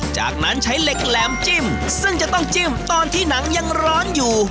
จากนั้นใช้เหล็กแหลมจิ้มซึ่งจะต้องจิ้มตอนที่หนังยังร้อนอยู่